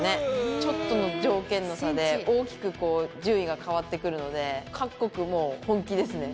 ちょっとの条件の差で大きく順位が変わってくるので、各国もう、本気ですね。